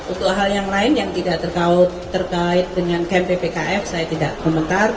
untuk hal yang lain yang tidak terkait dengan kmpkf saya tidak komentar